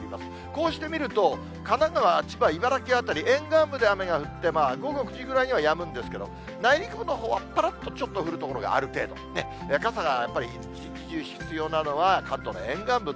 こうしてみると、神奈川、千葉、茨城辺り、沿岸部で雨が降って、午後、お昼ぐらいにはやむんですけど、内陸部のほうはぱらっとちょっと降る所がある程度。